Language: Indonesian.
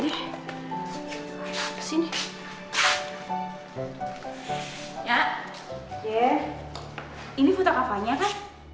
ceweknya sebelahnya siapanya